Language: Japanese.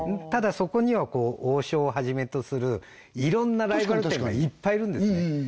ただそこには王将をはじめとするいろんなライバル店がいっぱいいるんですね